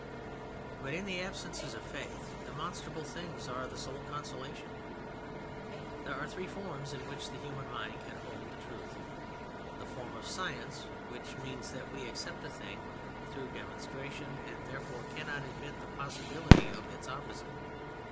But in the absences of faith, demonstrable things are the sole consolation. There are three forms in which the human mind can hold the truth: The form of Science, which means that we accept a thing through demonstration, and therefore cannot admit the possibility of its opposite.